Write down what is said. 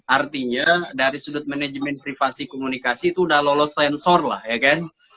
artinya dari sudut manajemen privasi komunikasi itu sudah lolos sensor lah ya kan